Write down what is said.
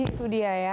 itu dia ya